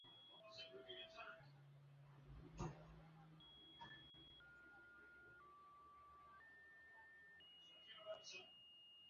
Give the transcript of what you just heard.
Amenifanyia upendo.